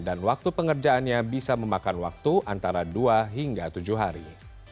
dan waktu pengerjaannya bisa memakan waktu antara dua hingga tujuh hari